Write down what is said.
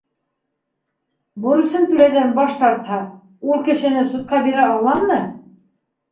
— Бурысын түләүҙән баш тартһа, ул кешене судҡа бирә аламмы?